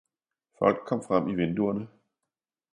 Folk kom frem i vinduerne.